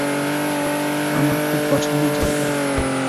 আমার খুব পছন্দের জায়গা।